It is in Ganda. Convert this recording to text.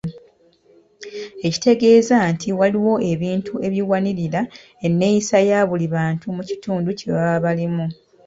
Ekitegeeza nti waliwo ebintu ebiwanirira enneeyisa ya buli bantu mu kitundu kye baba balimu.